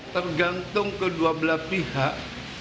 tergantung kedua belah pihak